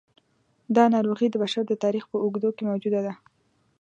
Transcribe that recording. دا ناروغي د بشر د تاریخ په اوږدو کې موجوده ده.